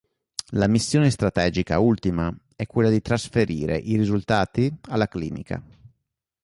La missione strategica ultima è quella di trasferire i risultati alla clinica.